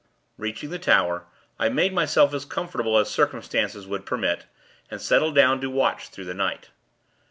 Reaching the tower, I made myself as comfortable as circumstances would permit, and settled down to watch through the night.